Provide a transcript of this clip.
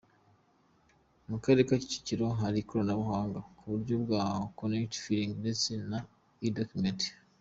Mu Karere ka Kicukiro hari ikoranabuhanga, kuburyo bwa reconnect filing ndetse na e-document.